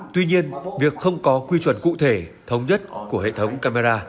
tuy nhiên việc không có quy chuẩn cụ thể thống nhất của hệ thống camera